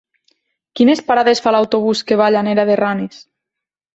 Quines parades fa l'autobús que va a Llanera de Ranes?